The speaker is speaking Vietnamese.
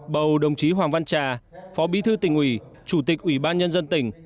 bầu đồng chí hoàng văn trà phó bí thư tỉnh ủy chủ tịch ủy ban nhân dân tỉnh